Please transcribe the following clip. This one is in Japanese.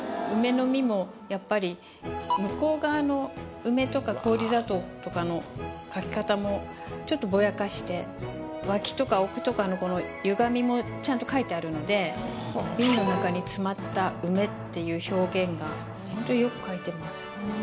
やっぱり向こう側のとかの描き方もちょっとぼやかして脇とか奥とかのこの歪みもちゃんと描いてあるので瓶の中に詰まった梅っていう表現がほんとよく描いてます。